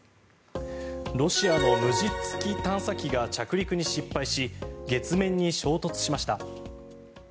ロシアの無人月探査機が着陸に失敗し月面に衝突しました。